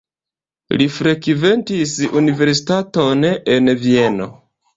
Li frekventis universitaton en Vieno.